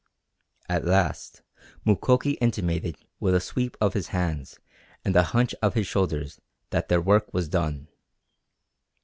At last Mukoki intimated with a sweep of his hands and a hunch of his shoulders that their work was done.